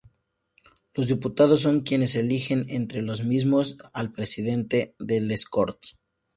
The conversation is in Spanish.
Los diputados son quienes eligen, entre los mismos, al Presidente de Les Corts.